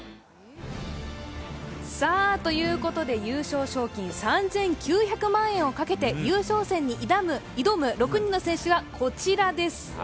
優勝賞金３９００万円をかけて優勝戦に挑む６人の選手はこちらです。